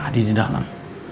adi di dalam